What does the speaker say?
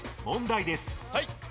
問題です。